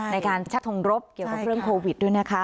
ในการชัดทงรบเกี่ยวกับเรื่องโควิดด้วยนะคะ